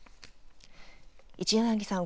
一柳さん